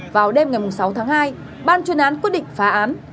vào đêm ngày sáu tháng hai ban chuyên án quyết định phá án